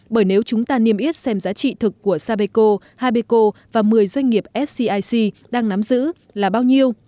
bởi nếu chúng ta niêm yết xem giá trị thực của sapeco haibeco và một mươi doanh nghiệp scic đang nắm giữ là bao nhiêu